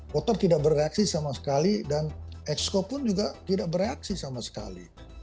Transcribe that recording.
motor tidak bereaksi sama sekali dan exco pun juga tidak bereaksi sama sekali